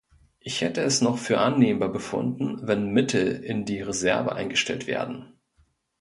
Ich hätte es noch für annehmbar befunden, wenn Mittel in die Reserve eingestellt werden.